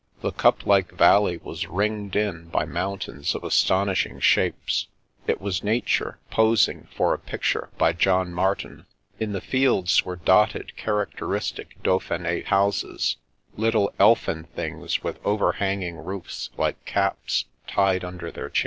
The cup like valley was ringed in by mountains of astonishing shapes ; it was nature pos ing for a picture by John Martin. In the fields were dotted characteristic Dauphine houses, little elfin things with overhanging roofs like caps tied under their chins.